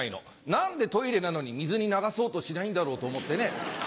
何でトイレなのに水に流そうとしないんだろうと思ってね。